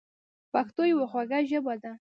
پښتو یوه خوږه ژبه ده.